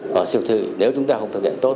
và siêu thị nếu chúng ta không thực hiện tốt